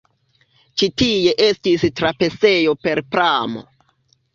Ĉi tie estis trapasejo per pramo.